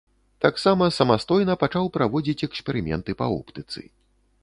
Таксама самастойна пачаў праводзіць эксперыменты па оптыцы.